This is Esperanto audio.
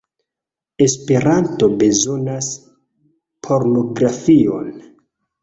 Esperanto bezonas pornografion